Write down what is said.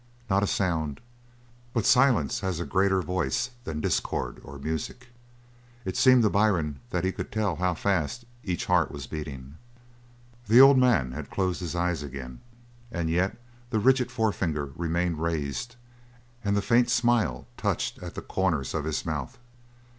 Not a sound. But silence has a greater voice than discord or music. It seemed to Byrne that he could tell how fast each heart was beating. The old man had closed his eyes again. And yet the rigid forefinger remained raised, and the faint smile touched at the corners of his mouth.